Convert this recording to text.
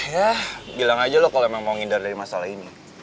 ya bilang aja lo kalo emang mau ngindar dari masalah ini